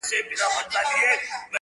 پلی درومي او په مخ کي یې ګوډ خر دی!.